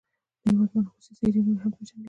د هېواد منحوسي څېرې نورې هم وپېژني.